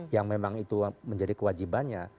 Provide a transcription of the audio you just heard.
yang memang itu menjadi kewajibannya